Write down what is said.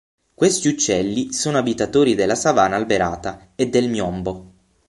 Questi uccelli sono abitatori della savana alberata e del "miombo".